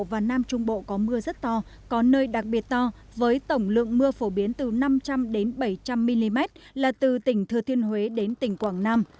và nam trung bộ có mưa rất to có nơi đặc biệt to với tổng lượng mưa phổ biến từ năm trăm linh bảy trăm linh mm là từ tỉnh thừa thiên huế đến tỉnh quảng nam